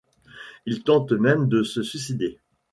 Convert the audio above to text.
Il tente même de se suicider.